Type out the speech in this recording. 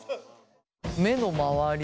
目の周り